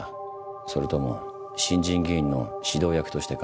それとも新人議員の指導役としてか？